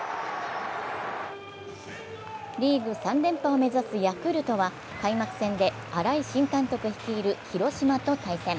リーグ３連覇を目指すヤクルトは開幕戦で新井新監督率いる広島と対戦。